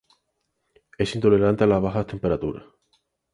Es intolerante a las bajas temperaturas.